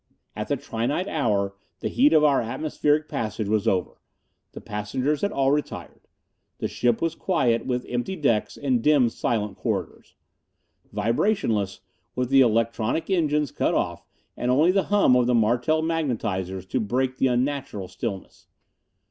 At the trinight hour the heat of our atmospheric passage was over. The passengers had all retired. The ship was quiet, with empty decks and dim, silent corridors. Vibrationless, with the electronic engines cut off and only the hum of the Martel magnetizers to break the unnatural stillness.